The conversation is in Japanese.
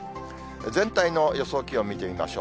全体の予想気温見てみましょう。